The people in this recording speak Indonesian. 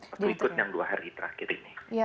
waktu ikut yang dua hari terakhir ini